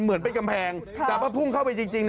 เหมือนเป็นกำแพงแต่พอพุ่งเข้าไปจริง